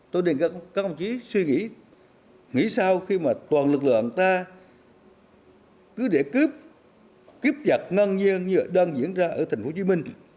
tôi đềnh các công chí suy nghĩ nghĩ sao khi mà toàn lực lượng ta cứ để kiếp kiếp giặc ngăn nhiên như đang diễn ra ở tp hcm